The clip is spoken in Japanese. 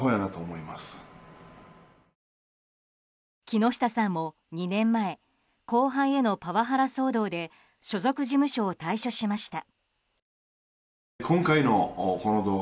木下さんも２年前後輩へのパワハラ騒動で所属事務所を退所しました。